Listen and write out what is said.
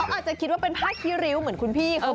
เขาอาจจะคิดว่าเป็นพลักษณ์ที่ริ้วเหมือนคุณพี่เขานะ